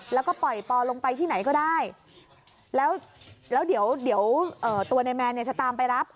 แล้วก็ปล่อยปอลงไปที่ไหนก็ได้แล้วเดี๋ยวตัวนายแมนเนี่ยจะตามไปรับ